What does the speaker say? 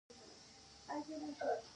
د ګاونډي حق مراعات کړئ